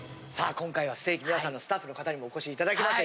今回はステーキ宮さんのスタッフの方にもお越しいただきました。